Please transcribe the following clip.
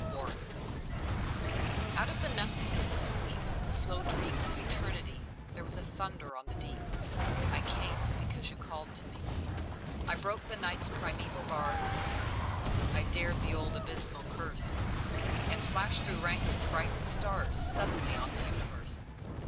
The Call Out of the nothingness of sleep, The slow dreams of Eternity, There was a thunder on the deep: I came, because you called to me. I broke the Night's primeval bars, I dared the old abysmal curse, And flashed through ranks of frightened stars Suddenly on the universe!